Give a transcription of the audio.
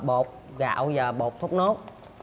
gồm bột gạo và bột thốt nốt